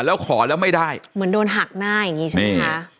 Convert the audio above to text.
แล้วขอแล้วไม่ได้เหมือนโดนหักหน้าอย่างนี้ใช่ไหมคะ